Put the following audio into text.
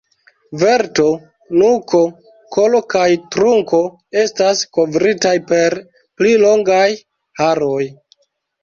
Verto, nuko, kolo kaj trunko estas kovritaj per pli longaj haroj.